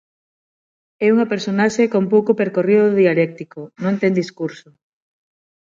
É unha personaxe con pouco percorrido dialéctico, non ten discurso.